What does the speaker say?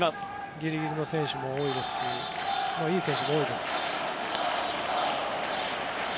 ギリギリの選手も多いですしいい選手も多いです。